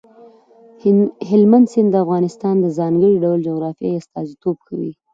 هلمند سیند د افغانستان د ځانګړي ډول جغرافیې استازیتوب کوي.